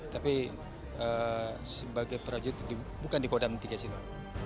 tapi sebagai para jut bukan di kodam tiga sini